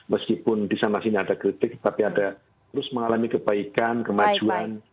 meskipun di sana sini ada kritik tapi ada terus mengalami kebaikan kemajuan